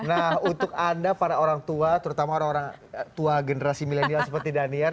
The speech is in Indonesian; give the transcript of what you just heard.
nah untuk anda para orang tua terutama orang orang tua generasi milenial seperti daniar